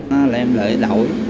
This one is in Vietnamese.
nó lời em lời đổi